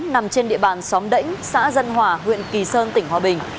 nằm trên địa bàn xóm đảnh xã dân hòa huyện kỳ sơn tỉnh hòa bình